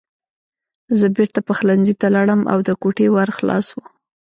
زه بېرته پخلنځي ته لاړم او د کوټې ور خلاص و